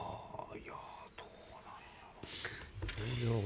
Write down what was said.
いやどうなんやろ。